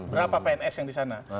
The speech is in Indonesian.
berapa pns yang disana